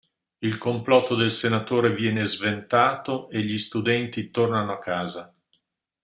Il complotto del senatore viene sventato e gli studenti tornano a casa.